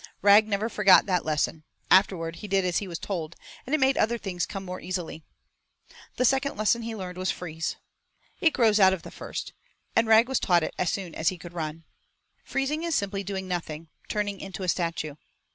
Rag never forgot that lesson; afterward he did as he was told, and it made the other things come more easily. The second lesson he learned was 'freeze.' It grows out of the first, and Rag was taught it as soon as he could run. 'Freezing' is simply doing nothing, turning into a statue.